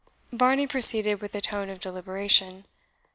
Varney proceeded with a tone of deliberation.